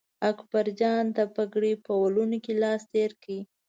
اکبرجان د پګړۍ په ولونو لاس تېر کړ.